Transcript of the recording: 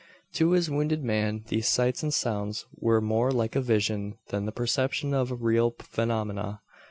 To the wounded man these sights and sounds were more like a vision than the perception of real phenomena.